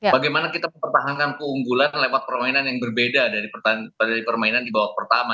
bagaimana kita mempertahankan keunggulan lewat permainan yang berbeda dari permainan di babak pertama